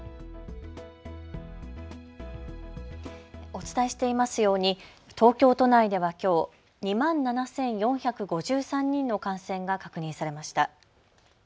お伝えしていますように東京都内では、きょう２万７４５３人の感染が確認されました。